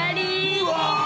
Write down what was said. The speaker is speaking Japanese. うわ！